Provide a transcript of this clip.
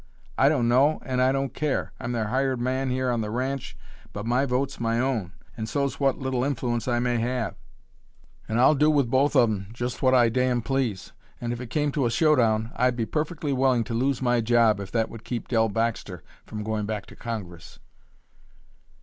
"I don't know, and I don't care. I'm their hired man here on the ranch, but my vote's my own, and so's what little influence I may have, and I'll do with both of 'em just what I damn please. And if it came to a show down, I'd be perfectly willing to lose my job if that would keep Dell Baxter from going back to Congress."